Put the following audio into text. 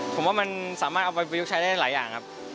ผมว่ามันสามารถเอาไปประยุกต์ใช้ได้หลายอย่างครับ